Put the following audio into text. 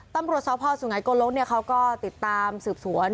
ตำรวจทศพศพสูงไหนโกลกเค้าก็ติดตามสืบสวน